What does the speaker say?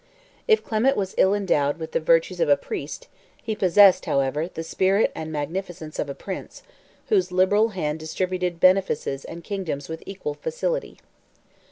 5 If Clement was ill endowed with the virtues of a priest, he possessed, however, the spirit and magnificence of a prince, whose liberal hand distributed benefices and kingdoms with equal facility.